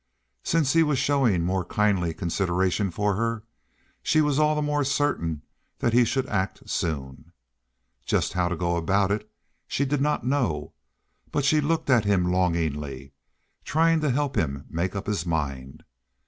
Since he was showing more kindly consideration for her, she was all the more certain that he should act soon. Just how to go about it she did not know, but she looked at him longingly, trying to help him make up his mind.